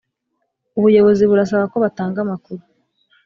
ubuyobozi burasaba ko batanga amakuru